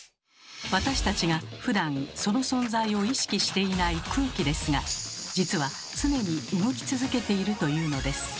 私たちがふだんその存在を意識していない空気ですが実は常に動き続けているというのです。